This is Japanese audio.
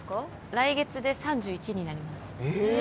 来月で３１になりますえ！